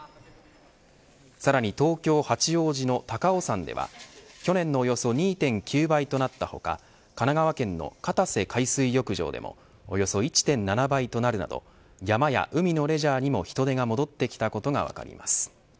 さらに東京、八王子の高尾山では去年のおよそ２．９倍となった他神奈川県の片瀬海水浴場でもおよそ１．７倍となるなど山や海のレジャーにも人出が戻ってきたことが分かります。